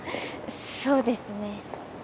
そうですね